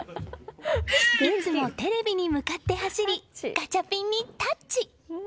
いつもテレビに向かって走りガチャピンにタッチ！